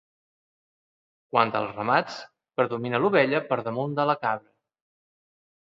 Quant als ramats, predomina l'ovella per damunt de la cabra.